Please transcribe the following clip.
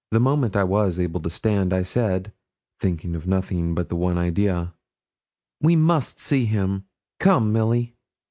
The moment I was able to stand I said thinking of nothing but the one idea 'We must see him come, Milly.'